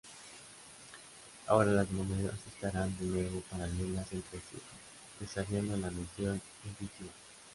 Ahora las monedas estarán de nuevo paralelas entre sí, desafiando la noción intuitiva.